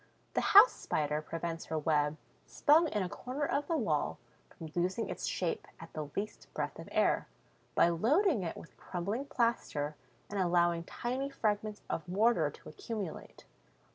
The House Spider prevents her web, spun in a corner of the wall, from losing its shape at the least breath of air, by loading it with crumbling plaster and allowing tiny fragments of mortar to accumulate.